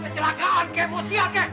kecelakaan kemosia ke